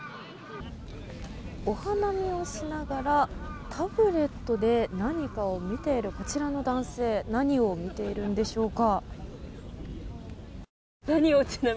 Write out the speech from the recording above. お花見をしながらタブレットで何かを見ているこちらの男性何を見ているんでしょうか？